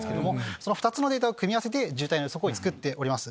その２つのデータを組み合わせて渋滞の予測を作っております。